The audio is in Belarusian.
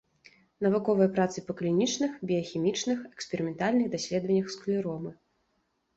Навуковыя працы па клінічных, біяхімічных, эксперыментальных даследваннях склеромы.